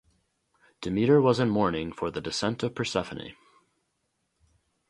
Demeter was in mourning for the descent of Persephone.